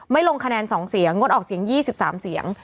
ลงคะแนน๒เสียงงดออกเสียง๒๓เสียง